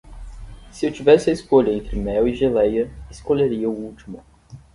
Se eu tivesse a escolha entre mel e geleia, escolheria o último.